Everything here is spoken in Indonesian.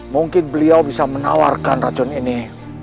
mungkin beliau bisa menawarkan racun ini